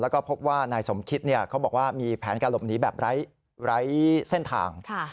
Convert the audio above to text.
แล้วก็พบว่านายสมคิตเขาบอกว่ามีแผนการหลบหนีแบบไร้เส้นทาง